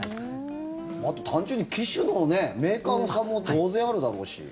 あと、単純に機種のメーカーの差も当然あるだろうし。